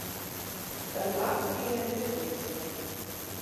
Danach ging er in den Ruhestand.